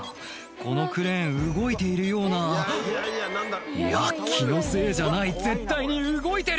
このクレーン動いているようないや気のせいじゃない絶対に動いてる！